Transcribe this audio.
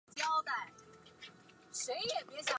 仁良都人常使用石岐话。